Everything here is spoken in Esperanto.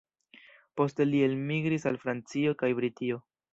Poste li elmigris al Francio kaj Britio.